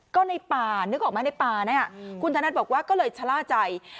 ก็ในป่านึกออกไหมในป่าเนี่ยคุณธนัทบอกว่าก็เลยชะล่าใจ